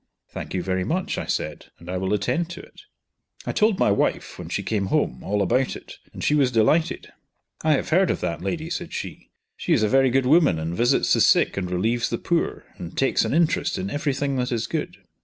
"Thank you, very much," I said; "and I will attend to it." I told my wife when she came home all about it, and she was delighted. "I have heard of that lady," said she. "She is a very good woman, and visits the sick and relieves the poor, and takes an interest in every thing that is good."